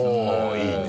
いいね。